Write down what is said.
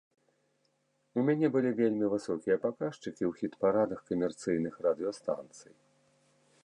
У мяне былі вельмі высокія паказчыкі ў хіт-парадах камерцыйных радыёстанцый.